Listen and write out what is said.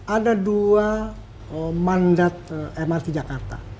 ada dua mandat mrt jakarta